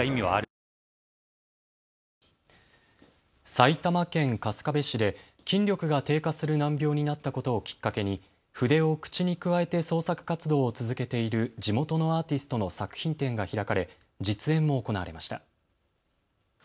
埼玉県春日部市で筋力が低下する難病になったことをきっかけに筆を口にくわえて創作活動を続けている地元のアーティストの作品展が開かれ実演も行われました。